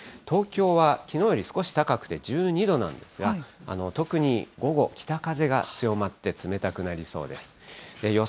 東京はきのうより少し高くて１２度なんですが、特に午後、北風が強まって、冷たくなりそうです。